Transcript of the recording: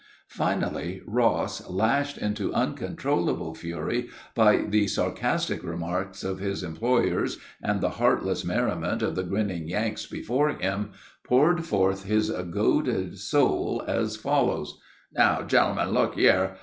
Finally Ross, lashed into uncontrollable fury by the sarcastic remarks of his employers and the heartless merriment of the grinning Yanks before him, poured forth his goaded soul as follows: "Now, gentlemen, look yere.